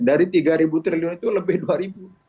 dari tiga triliun itu lebih dua ribu